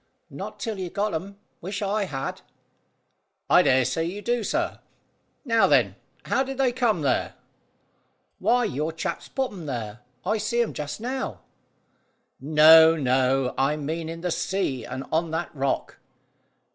"Not till you got 'em. Wish I had!" "I dare say you do, sir. Now, then: how did they come there?" "Why, your chaps put 'em there. I see 'em just now." "No, no; I mean in the sea and on that rock."